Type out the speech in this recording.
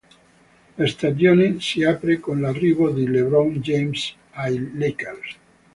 La stagione si apre con l'arrivo di LeBron James ai Lakers.